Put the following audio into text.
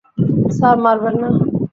Sir, মারবেন না।